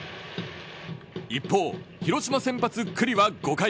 一方、広島先発、九里は５回